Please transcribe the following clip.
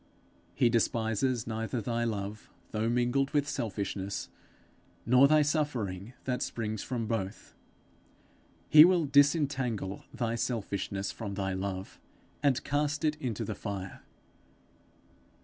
He despises neither thy love though mingled with selfishness, nor thy suffering that springs from both; he will disentangle thy selfishness from thy love, and cast it into the fire.